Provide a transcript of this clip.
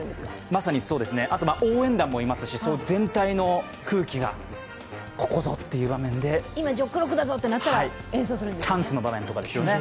まさにそうです、応援団もいますし全体の空気が、ここぞという場面で今、「ジョックロック」だぞとなったら演奏するんですね。